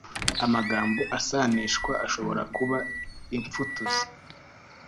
amagambo asanishwa ashobora kuba imfutuzi